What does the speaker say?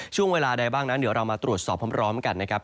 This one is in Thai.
ช่วงเวลาใดบ้างนั้นเดี๋ยวเรามาตรวจสอบพร้อมกันนะครับ